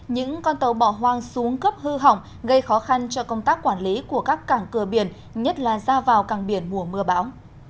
những con tàu bỏ hoang xuống cấp hư hỏng gây khó khăn cho công tác quản lý của các cảng cửa biển nhất là ra vào cảng biển mùa mưa bão